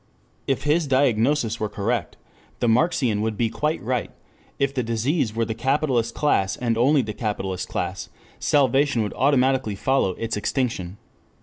If his diagnosis were correct, the Marxian would be quite right: if the disease were the capitalist class and only the capitalist class, salvation would automatically follow its extinction.